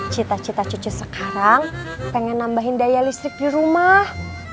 cita cita cucu sekarang pengen nambahin daya listrik di rumah